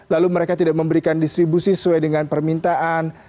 lalu mereka tidak memberikan distribusi sesuai dengan permintaan